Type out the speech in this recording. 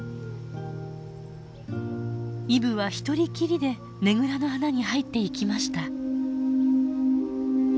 イブは独りきりでねぐらの穴に入っていきました。